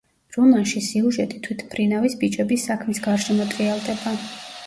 რომანში სიუჟეტი თვითმფრინავის ბიჭების საქმის გარშემო ტრიალდება.